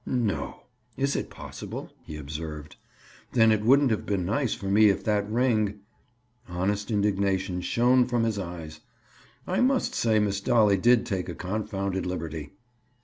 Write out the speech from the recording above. "No? Is it possible?" he observed. "Then it wouldn't have been nice for me if that ring—?" Honest indignation shone from his eyes. "I must say Miss Dolly did take a confounded liberty."